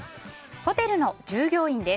ホテルの従業員です。